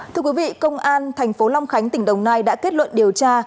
thưa quý vị công an tp long khánh tỉnh đồng nai đã kết luận điều tra